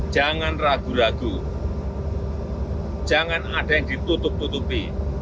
jangan ragu ragu jangan ada yang ditutup tutupi